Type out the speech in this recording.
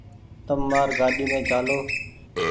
تم مآر گآڏي مين چآلو ۔